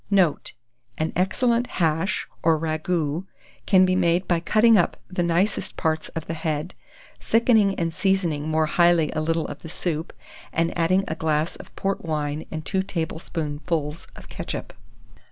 Note. An excellent hash or ragoût can be made by cutting up the nicest parts of the head, thickening and seasoning more highly a little of the soup, and adding a glass of port wine and 2 tablespoonfuls of ketchup.